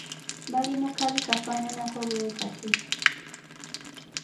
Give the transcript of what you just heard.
Bali mu kabi kafaanaanako bwe katyo.